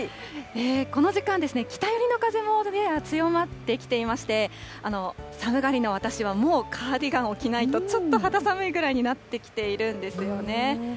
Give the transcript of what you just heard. この時間は北寄りの風もやや強まってきていまして、寒がりの私は、もうカーディガンを着ないとちょっと肌寒いぐらいになってきているんですよね。